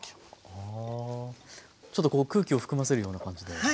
ちょっとこう空気を含ませるような感じで。